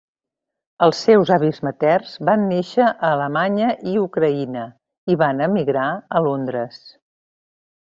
Els seus avis materns van néixer a Alemanya i Ucraïna, i van emigrar a Londres.